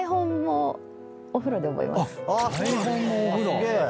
すげえ。